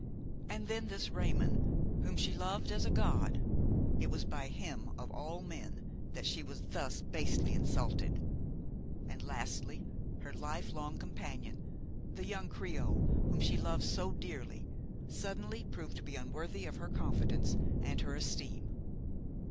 And then this Raymon, whom she loved as a god–it was by him of all men that she was thus basely insulted! And lastly, her life long companion, the young creole whom she loved so dearly, suddenly proved to be unworthy of her confidence and her esteem!